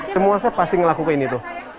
semua saya pasti ngelakuin itu